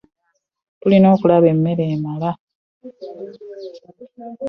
Tulina okulaba emmere emala.